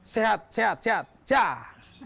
sehat sehat sehat sehat jaaah